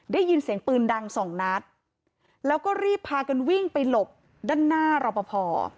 ได้ยินเสียงปืนดังสองนัดแล้วก็รีบพากันวิ่งไปหลบด้านหน้ารอปภ